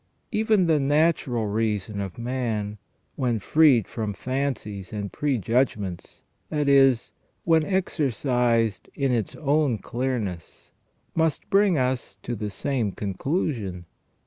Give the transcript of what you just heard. Even the natural reason of man, when freed from fancies and prejudgments, that is, when exercised in its own clearness, must bring us to the same conclusion.